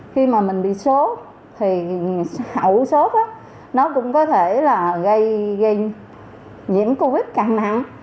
khi mà mình bị sốt thì hậu sốt nó cũng có thể là gây nhiễm covid càng nặng